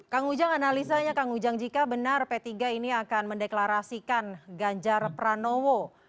kang ujang analisanya kang ujang jika benar p tiga ini akan mendeklarasikan ganjar pranowo